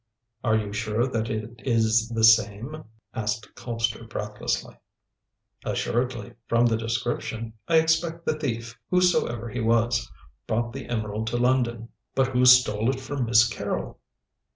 "Are you sure that it is the same?" asked Colpster breathlessly. "Assuredly, from the description. I expect the thief, whosoever he was, brought the emerald to London." "But who stole it from Miss Carrol?"